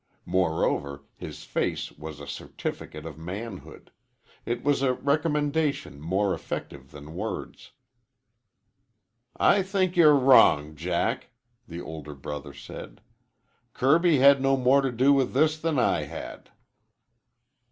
Moreover, his face was a certificate of manhood. It was a recommendation more effective than words. "I think you're wrong, Jack," the older brother said. "Kirby had no more to do with this than I had."